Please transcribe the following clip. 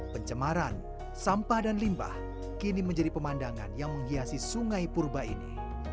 pencemaran sampah dan limbah kini menjadi pemandangan yang menghiasi sungai purba ini